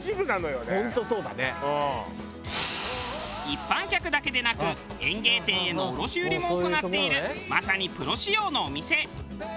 一般客だけでなく園芸店への卸売りも行っているまさにプロ仕様のお店。